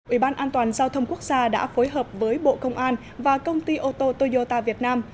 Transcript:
ủy ban an toàn giao thông quốc gia đã phối hợp với bộ công an và công ty ô tô toyota việt nam